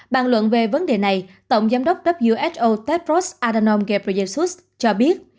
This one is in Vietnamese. bàn luận về vấn đề này tổng giám đốc who tedros adhanom ghebreyesus cho biết